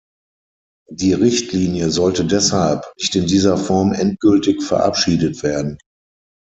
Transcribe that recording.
Die Richtlinie sollte deshalb nicht in dieser Form endgültig verabschiedet werden.